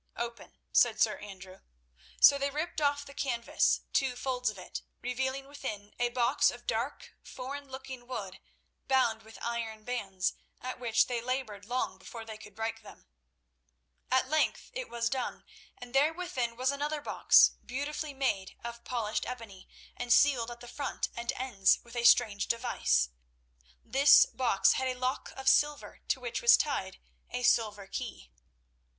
"Open," said Sir Andrew. So they ripped off the canvas, two folds of it, revealing within a box of dark, foreign looking wood bound with iron bands, at which they laboured long before they could break them. At length it was done, and there within was another box beautifully made of polished ebony, and sealed at the front and ends with a strange device. This box had a lock of silver, to which was tied a silver key.